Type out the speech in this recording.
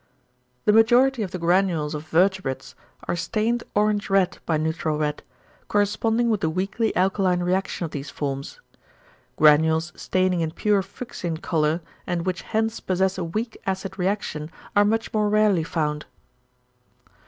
The majority of the granules of vertebrates are stained orange red by neutral red, corresponding with the weakly alkaline reaction of these forms. Granules staining in pure fuchsin colour and which hence possess a weak acid reaction are much more rarely found.